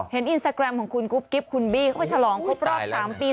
อินสตาแกรมของคุณกุ๊บกิ๊บคุณบี้เข้าไปฉลองครบรอบ๓ปี